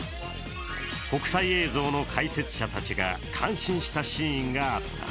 国際映像の解説者たちが感心したシーンがあった。